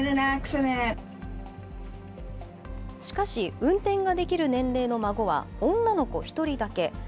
しかし、運転ができる年齢の孫は女の子１人だけ。